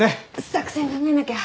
作戦考えなきゃ！